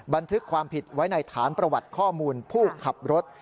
บันทึกความผิดไว้ในฐานประวัติข้อมูลผู้ขับรถ